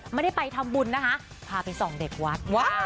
ไม่ได้ไปทำบุญนะคะพาไปส่องเด็กวัด